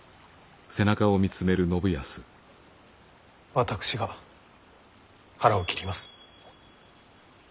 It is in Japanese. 私が腹を切ります。